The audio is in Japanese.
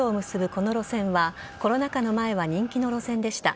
この路線はコロナ禍の前は人気の路線でした。